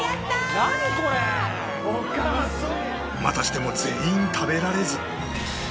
またしても全員食べられず